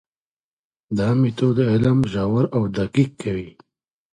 دا مېتود علم ژور او دقیق کوي.